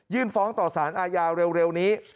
ฟ้องต่อสารอาญาเร็วนี้